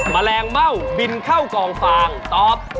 แมลงเม่าบินเข้ากองฟางตอบ